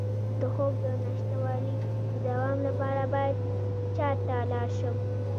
د خوب د نشتوالي د دوام لپاره باید چا ته لاړ شم؟